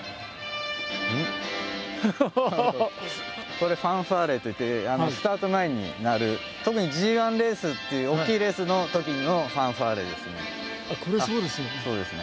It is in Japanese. これ「ファンファーレ」といってスタート前に鳴る特にＧ１レースっていう大きいレースのときのファンファーレですね。